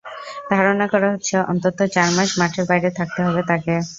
ধারণা করা হচ্ছে, অন্তত চার মাস মাঠের বাইরে থাকতে হবে তাঁকে।